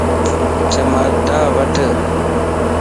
چماٽا وڍ